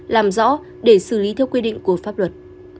làm rõ để xử lý theo quy định của pháp luật